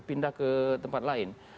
pindah ke tempat lain